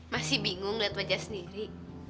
masih bingung lihat wajah sendiri